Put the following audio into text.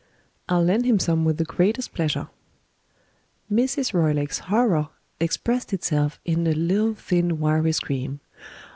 "I'll lend him some with the greatest pleasure." Mrs. Roylake's horror expressed itself in a little thin wiry scream.